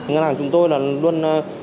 ngân hàng chúng tôi luôn